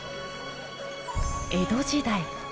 江戸時代。